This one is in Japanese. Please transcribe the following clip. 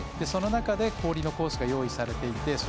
その中で、氷のコースが用意されていて。